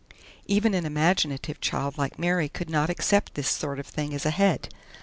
Even an imaginative child like Mary could not accept this sort of thing as a head.